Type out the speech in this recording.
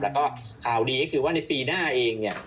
แล้วก็ข่าวดีก็คือว่าในปีหน้าเองเนี่ย